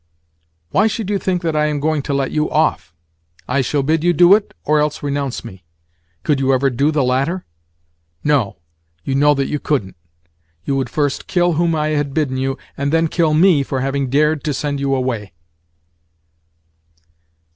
"Why should you think that I am going to let you off? I shall bid you do it, or else renounce me. Could you ever do the latter? No, you know that you couldn't. You would first kill whom I had bidden you, and then kill me for having dared to send you away!"